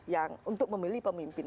yang untuk memilih pemimpin